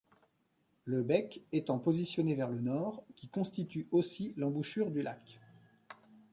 Le bec étant positionné vers le nord, qui constitue aussi l'embouchure du lac.